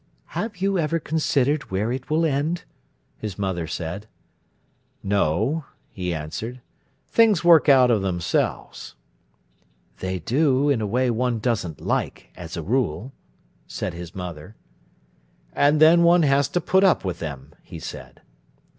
"Have you ever considered where it will end?" his mother said. "No," he answered; "things work out of themselves." "They do, in a way one doesn't like, as a rule," said his mother. "And then one has to put up with them," he said.